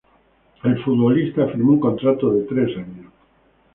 El futbolista firmó un contrato de tres años.